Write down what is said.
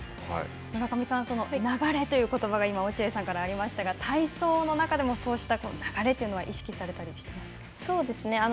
村上さん、流れということばが落合さんからありましたが体操の中でもそうした流れは意識されたりしていますか。